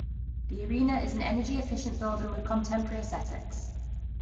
The arena is an energy efficient building with contemporary aesthetics.